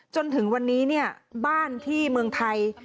จนถึงวันนี้เนี่ยบ้านที่เมืองไทย